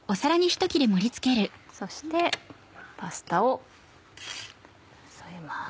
そしてパスタを添えます。